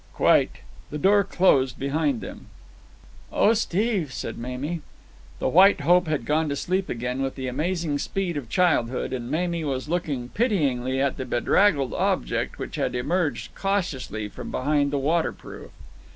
"Quite." The door closed behind them. "Oh, Steve!" said Mamie. The White Hope had gone to sleep again with the amazing speed of childhood, and Mamie was looking pityingly at the bedraggled object which had emerged cautiously from behind the waterproof.